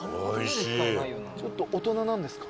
ちょっと大人なんですか？